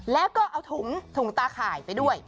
แล้วก็เอาถุงถุงตาข่ายไปด้วย